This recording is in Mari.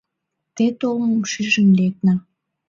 Те толмым шижын лекна.